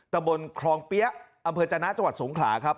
ตะบนคลองเปี๊ยะอำเภอจนะจังหวัดสงขลาครับ